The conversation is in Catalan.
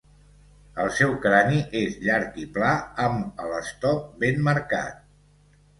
El seu crani és llarg i pla amb el stop ben marcat.